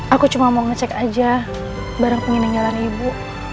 aku cuma mau ngecek aja barang pengen nyala ibu